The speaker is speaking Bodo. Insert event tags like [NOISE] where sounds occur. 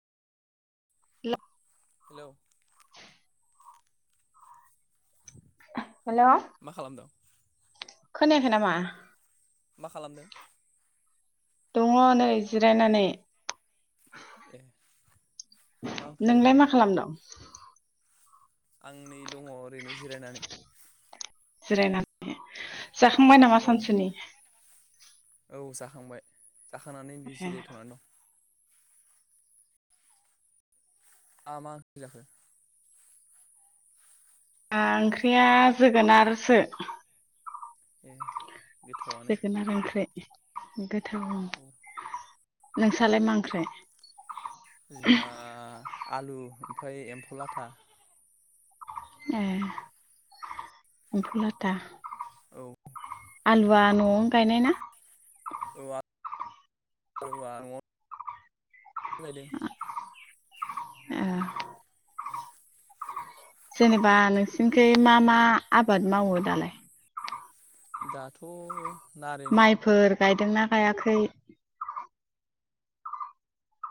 [UNINTELLIGIBLE] हेल' हेल' [INAUDIBLE] मा खालामदों? खोनायाखै नामा? मा खालामदों? दङ नै जिरायनानै। ए मा ओंख्रि नोंलाय जाखो मा खालामदों? [INAUDIBLE] आं नै दङ ओरैनो जिरायनानै। जिरायनानै जाखांबाय नामा औ सानसुनि? खांबाय जाखांनानै ए जिरायथ'नानै दं आ मा ओंख्रि जाखो? आं ओंख्रिया जोगोनारसो ए गोथावनो गो [UNINTELLIGIBLE] नोंसालाय मा ओंख्रि? हा आलु ओमफ्राय एम्फौ लाथा। ए एम्फौ लाथा। औ आलुवा न'आवनो गायनाय ना? औ आलुआ न'आव गायदों। जेनेबा नोंसिनिखै मा मा आबाद मावो दालाय? दाथ' नारें माइफोर गायदोंना गायाखै?